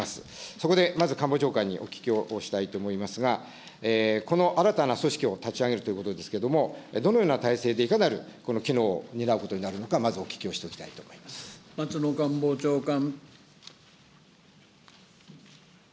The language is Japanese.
そこでまず官房長官にお聞きをしたいと思いますが、この新たな組織を立ち上げるということですけれども、どのような体制で、いかなる機能を担うことになるのか、まずお聞きをしてお松野官房長官。